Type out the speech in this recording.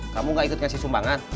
kamu gak ikut ngasih sumbangan